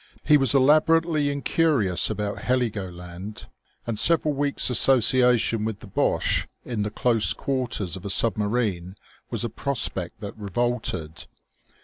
He was elaborately incurious about Heligoland; and several weeks' association with the Boche in the close quarters of a submarine was a prospect that revolted.